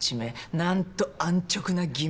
なんと安直な偽名。